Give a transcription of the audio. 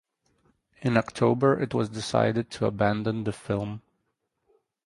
In October it was decided to abandon the film.